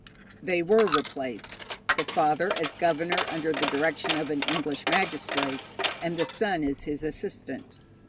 They were replaced, the father as governor under the direction of an English magistrate, and the son as his assistant.